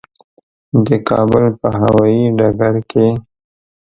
د کابل په هوایي ډګر کې.